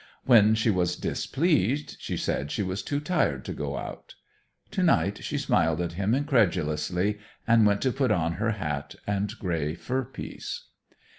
When she was displeased, she said she was too tired to go out. To night she smiled at him incredulously, and went to put on her hat and gray fur piece.